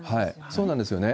そうなんですよね。